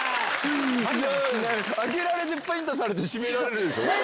開けられてビンタされて閉められるんでしょ。